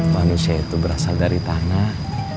manusia itu berasal dari tanah